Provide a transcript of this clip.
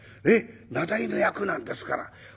名題の役なんですから。